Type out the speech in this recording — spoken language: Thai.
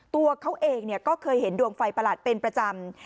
ตัวเขาเองก็เคยเห็นดวงไฟประหลาดเป็นประจำ